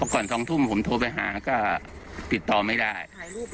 ก่อน๒ทุ่มผมโทรไปหาก็ติดต่อไม่ได้